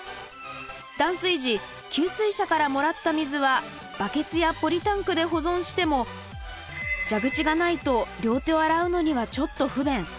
断水時給水車からもらった水はバケツやポリタンクで保存しても蛇口がないと両手を洗うのにはちょっと不便。